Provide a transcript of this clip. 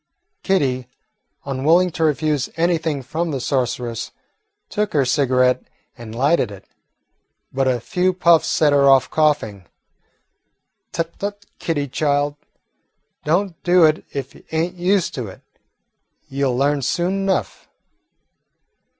Kitty, unwilling to refuse anything from the sorceress, took her cigarette and lighted it, but a few puffs set her off coughing. "Tut, tut, Kitty, child, don't do it if you ain't used to it. You 'll learn soon enough."